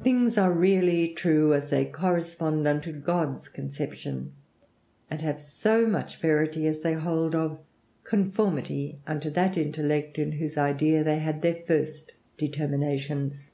"Things are really true as they correspond unto God's conception; and have so much verity as they hold of conformity unto that intellect, in whose idea they had their first determinations."